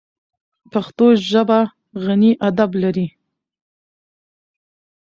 پښتو ژبه غني ادب لري.